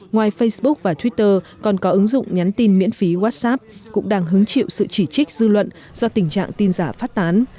ngoài facebook và twitter còn có ứng dụng nhắn tin miễn phí whatsapp cũng đang hứng chịu sự chỉ trích dư luận do tình trạng tin giả phát tán